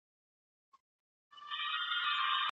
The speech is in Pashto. واکسیناتوران څنګه واکسین لیږدوي؟